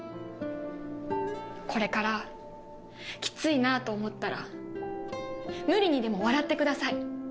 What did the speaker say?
これからきついなぁと思ったら無理にでも笑ってください。